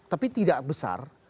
tapi tidak besar